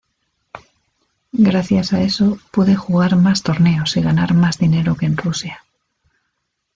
Gracias a eso pude jugar más torneos y ganar más dinero que en Rusia".